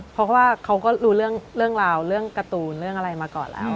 เพราะว่าเขาก็รู้เรื่องราวเรื่องการ์ตูนเรื่องอะไรมาก่อนแล้ว